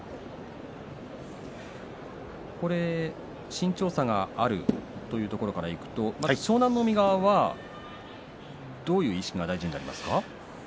身長差があるというところでいくと湘南乃海側からするとどういう意識が大切ですか。